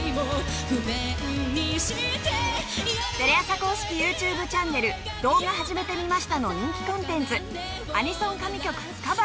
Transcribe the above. テレ朝公式ＹｏｕＴｕｂｅチャンネル「動画、はじめてみました」の人気コンテンツ『アニソン神曲カバーでしょ